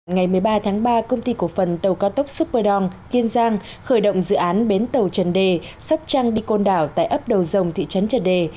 ngày một mươi ba tháng ba công ty cổ phần tàu cao tốc superdong kiên giang khởi động dự án bến tàu trần đề sóc trăng đi côn đảo tại ấp đầu dòng thị trấn trần đề